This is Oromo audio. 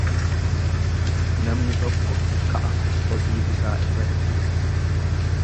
Namni tokko ka'a hojii isaa irratti.